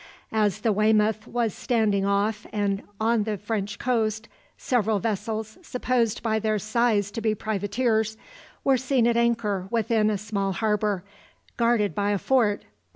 As the "Weymouth" was standing off and on the French coast, several vessels, supposed by their size to be privateers, were seen at anchor within a small harbour, guarded by a fort.